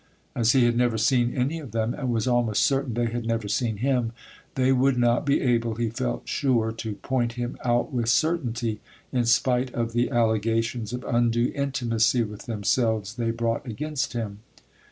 As he had never seen any of them, and was almost certain they had never seen him, they would not be able, he felt sure, to point him out with certainty, in spite of the allegations of undue intimacy with themselves they brought against him.